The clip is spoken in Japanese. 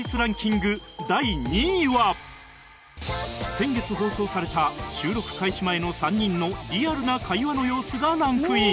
先月放送された収録開始前の３人のリアルな会話の様子がランクイン